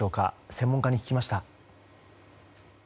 専門家に聞きました。